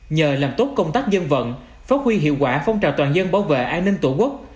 nhờ làm tốt công tác dân vận phát huy hiệu quả phong trào toàn dân bảo vệ an ninh tổ quốc